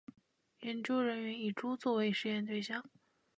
研究人员以猪作为实验对象